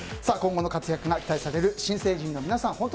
今後の活躍が期待される新成人の皆さん